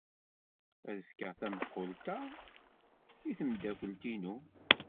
Ad fkeɣ tameqqunt-a i tmeddakelt-inu.